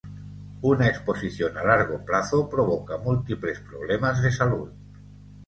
Una exposición a largo plazo provoca múltiples problemas de salud.